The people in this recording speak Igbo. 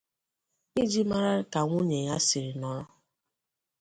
iji mara ka nwunye ya sirri nọrọ